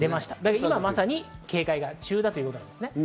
今まさに警戒中だということです。